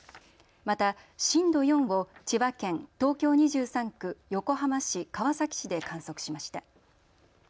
また、震度４を千葉県東京２３区、横浜市川崎市で観測しました。